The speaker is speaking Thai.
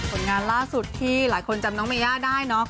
ผลงานล่าสุดที่หลายคนจำน้องเมย่าได้เนอะ